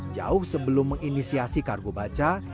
jauh sebelum menginisiasi kargo baca